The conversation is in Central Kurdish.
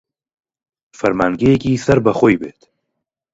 فەرمانگەیەکی سەر بە خۆی بێت